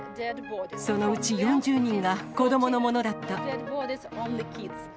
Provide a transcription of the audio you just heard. そのうち４０人が子どものものだった。